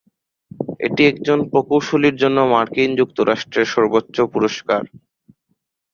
এটি একজন প্রকৌশলীর জন্য মার্কিন যুক্তরাষ্ট্রের সর্বোচ্চ পুরস্কার।